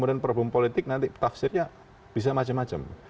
jadi problem politik nanti tafsirnya bisa macam macam